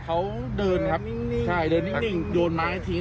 เขาเดินนะครับยิ่งหนิ่งโยนไม้ทิ้ง